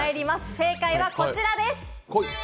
正解はこちらです。